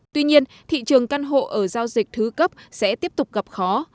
tuy nhiên thị trường căn hộ ở giao dịch thứ cấp sẽ tiếp tục gặp khó